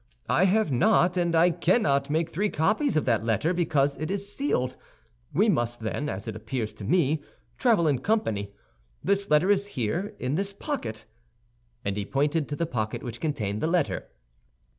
I have not, and I cannot make three copies of that letter, because it is sealed. We must, then, as it appears to me, travel in company. This letter is here, in this pocket," and he pointed to the pocket which contained the letter.